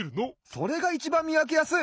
それがいちばんみわけやすい！